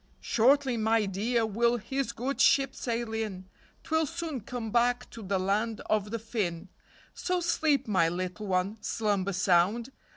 Shortly, my dear, will his good ship sail in, 'Twill soon come back to the land of the Fi So sleep, my little one, Slumber sound.